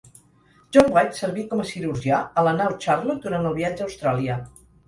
John White serví com a cirurgià a la nau Charlotte durant el viatge a Austràlia.